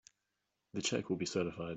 The check will be certified.